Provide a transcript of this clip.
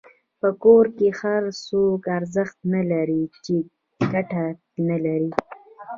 په کور کي هغه څوک ارزښت نلري چي ګټه نلري.